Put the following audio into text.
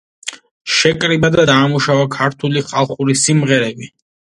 შეკრიბა და დაამუშავა ქართული ხალხური სიმღერები.